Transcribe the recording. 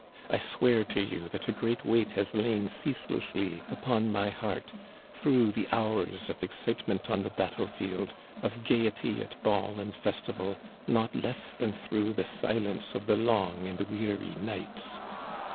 I swear to you that a great weight has lain ceaselessly upon my heart, through the hours of excitement on the battle field, of gay ety at ball and festival, not less than through the silence of the long and weary nights.